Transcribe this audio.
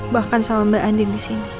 bahkan sama mbak andi disini